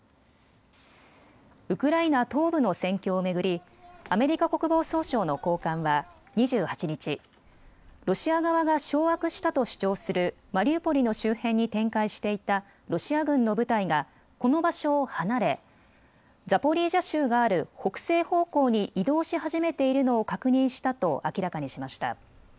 ウクライナ東部の戦況を巡りアメリカ国防総省の高官は２８日、ロシア側が掌握したと主張するマリウポリの周辺に展開していたロシア軍の部隊がこの場所を離れザポリージャ州がある北西方向に移動し始めているのを確認したと明らかにしました。